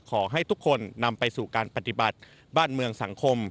ขอให้ทุกคนนำไปสู่การปฏิบัติบ้านเมืองสังคม